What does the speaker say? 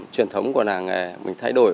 truyền thống của làng nghề mình thay đổi